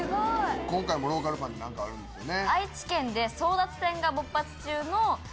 今回もローカルパンで何かあるんですよね。